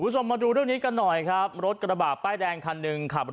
สวัสดีครับสวัสดีครับ